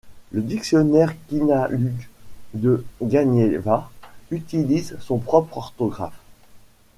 Le dictionnaire khinalug de Ganieva utilise son propre orthographe.